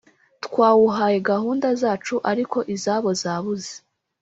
Twawuhaye gahunda zacu ariko izabo zabuze